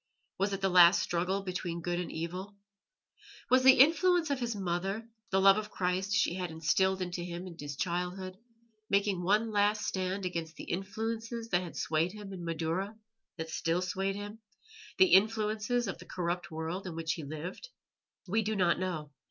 Was it the last struggle between good and evil? Was the influence of his mother, the love of Christ she had instilled into him in his childhood, making one last stand against the influences that had swayed him in Madaura that still swayed him the influences of the corrupt world in which he lived? We do not know.